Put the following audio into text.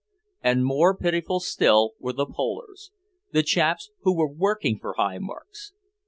And more pitiful still were the "polers," the chaps who were working for high marks.